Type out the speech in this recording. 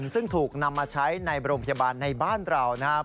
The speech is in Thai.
ซึ่งถูกนำมาใช้ในโรงพยาบาลในบ้านเรานะครับ